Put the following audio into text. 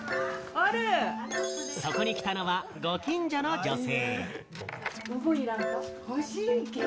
そこに来たのは、ご近所の女性。